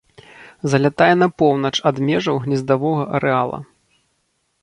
Залятае на поўнач ад межаў гнездавога арэала.